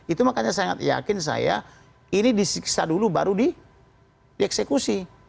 itu makanya saya yakin saya ini disiksa dulu baru dieksekusi